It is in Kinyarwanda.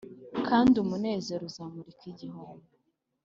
kandi umunezero uzamurika igihombo,